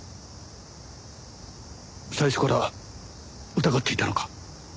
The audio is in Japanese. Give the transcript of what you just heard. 最初から疑っていたのか？